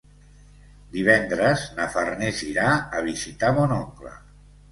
Divendres na Farners irà a visitar mon oncle.